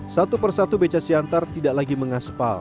satu persatu beca siantar tidak lagi mengaspal